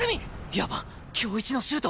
やばっ今日一のシュート！